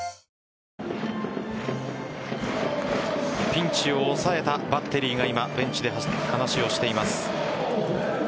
ピンチを抑えたバッテリーが今ベンチで話をしています。